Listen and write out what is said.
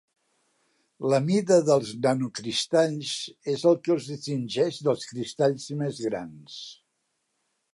La mida dels nanocristalls és el que els distingeix dels cristalls més grans.